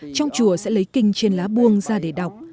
trong chùa sẽ lấy kinh trên lá buông ra để đọc